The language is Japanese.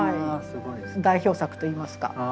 代表作といいますか。